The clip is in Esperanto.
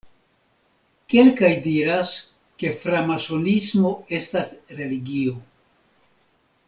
Kelkaj diras, ke framasonismo estas religio.